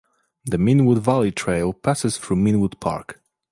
The Meanwood Valley Trail passes through Meanwood Park.